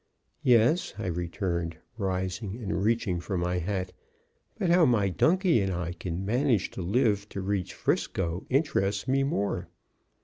"Yes," I returned, rising and reaching for my hat, "but how my donkey and I can manage to live to reach 'Frisco interests me more."